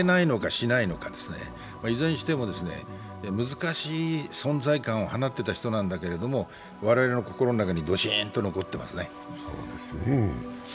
されないのか、しないのか、いずれにしても、難しい存在感を放っていた人なんだけど、我々の心の中にぶしーんと残ってますね。